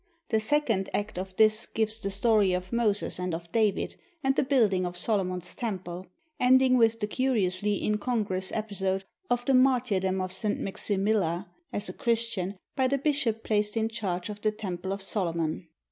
The second act of this gives the story of Moses and of David and the Building of Solomon's Temple, ending with the curiously incongruous episode of the martyrdom of St. Maximilla, as a Christian, by the bishop placed in charge of the Temple of Solomon.